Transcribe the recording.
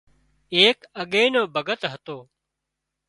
ايڪ اڳي نو ڀڳت هتو